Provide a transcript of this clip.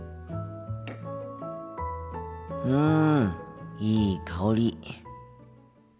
うんいい香り。